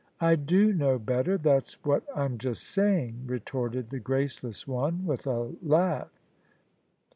" "I do know better: that's what Fm just saying," re torted the graceless one, with a laugh.